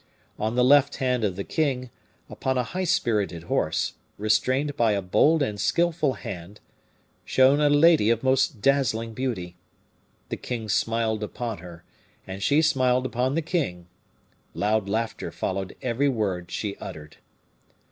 On the left hand of the king, upon a high spirited horse, restrained by a bold and skillful hand, shone a lady of most dazzling beauty. The king smiled upon her, and she smiled upon the king. Loud laughter followed every word she uttered.